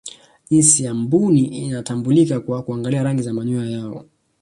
jinsia ya mbuni inatambulika kwa kuangalia rangi za manyoya yao